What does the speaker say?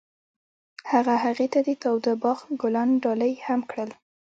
هغه هغې ته د تاوده باغ ګلان ډالۍ هم کړل.